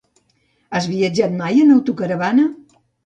Has viajat mai en autocaravana?